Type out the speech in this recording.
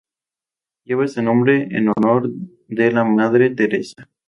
Lleva ese nombre en honor de la Madre Teresa.